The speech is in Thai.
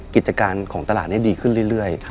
กิจการของตลาดนี้ดีขึ้นเรื่อย